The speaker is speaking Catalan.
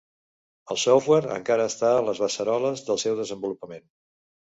El software encara està a les beceroles del seu desenvolupament.